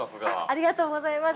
◆ありがとうございます。